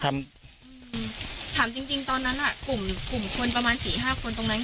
ทำถามจริงตอนนั้นอ่ะกลุ่มคนประมาณสี่ห้าคนตรงนั้น